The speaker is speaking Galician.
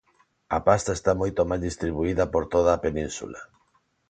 A pasta está moito máis distribuída por toda a península.